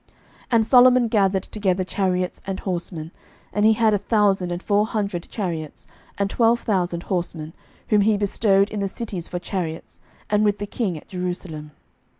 11:010:026 And Solomon gathered together chariots and horsemen: and he had a thousand and four hundred chariots, and twelve thousand horsemen, whom he bestowed in the cities for chariots, and with the king at Jerusalem.